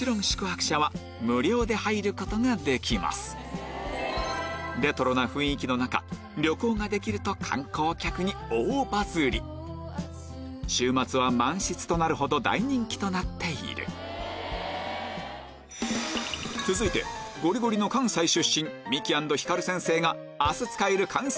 もちろんレトロな雰囲気の中旅行ができると観光客に大バズり週末は満室となるほど大人気となっている続いてゴリゴリの関西出身ミキ＆ひかる先生